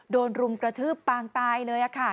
รุมกระทืบปางตายเลย